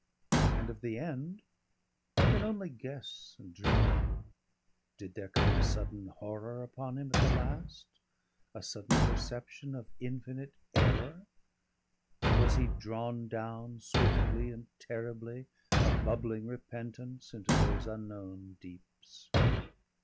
And of the end I can only guess and dream. Did there come a sudden horror upon him at the last, a sudden perception of infinite error, and was he drawn down, swiftly and terribly, a bubbling repentance, into those unknown deeps?